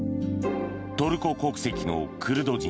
トルコ国籍のクルド人